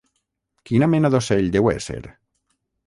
¿quina mena d'ocell deu ésser?